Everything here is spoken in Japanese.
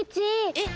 えっ。